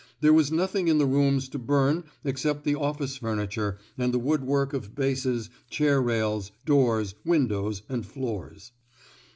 There was noth ing in the rooms to bum except the office furniture and the woodwork of bases, chair rails, doors, windows, and floors.